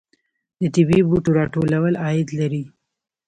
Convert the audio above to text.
د طبیعي بوټو راټولول عاید لري